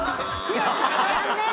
残念。